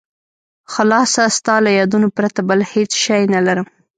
خلاصه ستا له یادونو پرته بل هېڅ شی نه لرم.